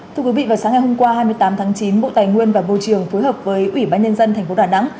thưa quý vị vào sáng ngày hôm qua hai mươi tám tháng chín bộ tài nguyên và môi trường phối hợp với ủy ban nhân dân thành phố đà nẵng